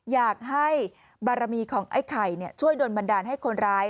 อยากให้บารมีของไอ้ไข่ช่วยโดนบันดาลให้คนร้าย